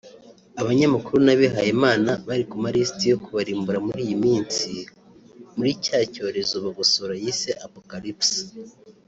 abanyamakuru n’abihaye Imana bari ku malisiti yo kubarimbura muri iyi minsi muri cya cyorezo Bagosora yise ‘Apocalypse’